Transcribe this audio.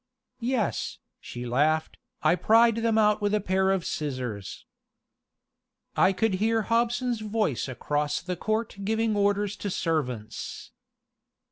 "Yes," she laughed, "I pried them out with a pair of scissors." I could hear Hobson's voice across the court giving orders to servants.